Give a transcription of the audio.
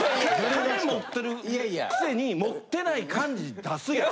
金持ってるくせに持ってない感じ出すやん。